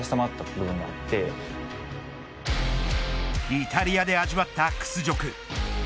イタリアで味わった屈辱。